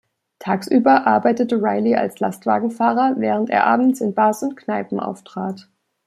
Tagsüber arbeitete Riley als Lastwagenfahrer, während er abends in Bars und Kneipen auftrat.